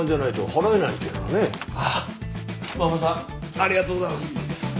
ありがとうございます！